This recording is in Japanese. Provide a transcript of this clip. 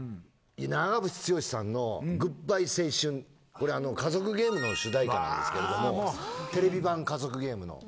長渕剛さんの『ＧＯＯＤ−ＢＹＥ青春』『家族ゲーム』の主題歌なんですけれどもテレビ版『家族ゲーム』の。